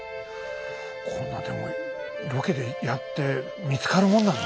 こんなでもロケでやって見つかるもんなの？